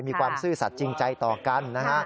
มีความซื่อสัตว์จริงใจต่อกัน